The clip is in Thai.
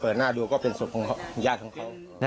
หน้าดูก็เป็นศพของญาติของเขา